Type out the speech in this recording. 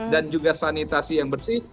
dan juga sanitasi yang bersih